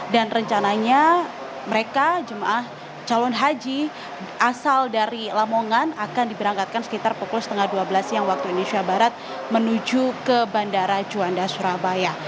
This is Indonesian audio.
dan rencananya mereka jemaah calon haji asal dari lamongan akan diberangkatkan sekitar pukul setengah dua belas siang waktu indonesia barat menuju ke bandara juanda surabaya